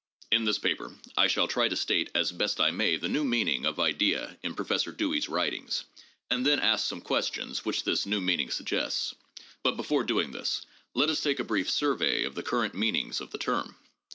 In this paper I shall try to state as best I may the new meaning of idea in Professor Dewey's writings, and then ask some questions which this new meaning suggests. But before doing this, let us take a brief survey of the current meanings of the term.